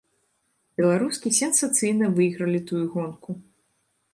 Беларускі сенсацыйна выйгралі тую гонку.